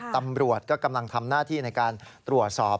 ตำรวจก็กำลังทำหน้าที่ในการตรวจสอบ